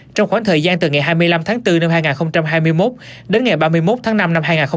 trong khoảng thời gian từ ngày hai mươi năm tháng bốn năm hai nghìn hai mươi một đến ngày ba mươi một tháng năm năm hai nghìn hai mươi ba